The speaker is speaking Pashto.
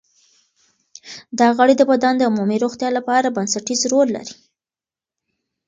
دا غړي د بدن د عمومي روغتیا لپاره بنسټیز رول لري.